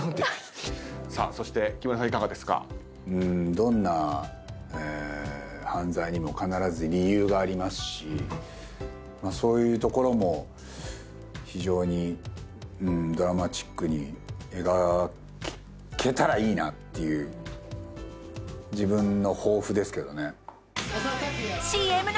どんな犯罪にも必ず理由がありますしそういうところも非常にドラマチックに描けたらいいなっていう自分の抱負ですけどね。